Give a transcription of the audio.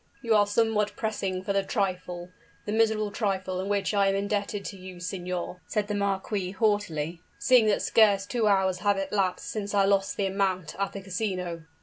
"You are somewhat pressing for the trifle the miserable trifle in which I am indebted to you, signor," said the marquis haughtily; "seeing that scarce two hours have elapsed since I lost the amount at the casino."